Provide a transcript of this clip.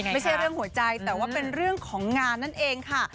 ไม่ใช่เรื่องหัวใจแต่ว่าเป็นเรื่องของงานนั่นเองค่ะ